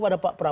iy tak di lupa